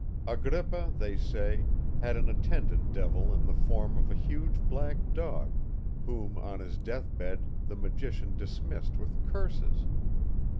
Agrippa, they say, had an attendant devil in the form of a huge black dog, whom on his death bed the magician dismissed with curses.